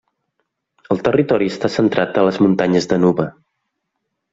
El territori està centrat a les muntanyes Nuba.